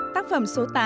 tác phẩm số tám